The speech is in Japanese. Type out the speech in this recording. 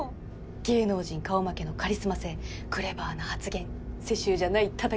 芸能人顔負けのカリスマ性クレバーな発言世襲じゃないたたき上げ。